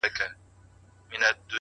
وخت د ټولو لپاره برابر شتمن دی،